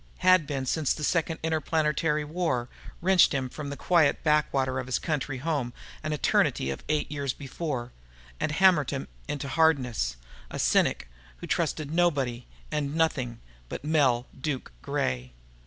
Had been since the Second Interplanetary War wrenched him from the quiet backwater of his country home an eternity of eight years before and hammered him into hardness a cynic who trusted nobody and nothing but Mel 'Duke' Gray.